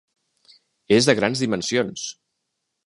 És de grans dimensions.